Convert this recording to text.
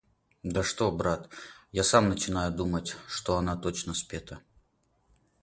Да что, брат, я сам начинаю думать, что она точно спета.